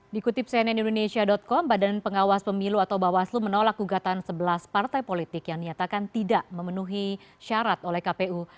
dikutip cnn indonesia com badan pengawas pemilu atau bawaslu menolak gugatan sebelas partai politik yang nyatakan tidak memenuhi syarat oleh kpu